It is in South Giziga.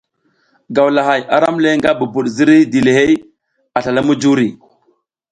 Gawlahay aram le nga bubud ziriy dilihey a slala mujuri.